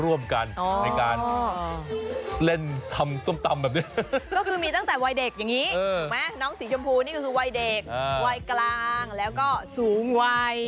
วัยกลางแล้วก็สูงวัย